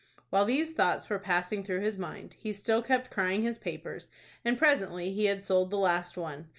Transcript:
While these thoughts were passing through his mind, he still kept crying his papers, and presently he had sold the last one.